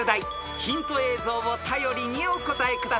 ［ヒント映像を頼りにお答えください］